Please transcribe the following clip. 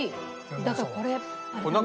だからこれあれだな。